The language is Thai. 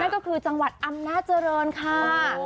ก็คือจังหวัดอำนาจริงค่ะ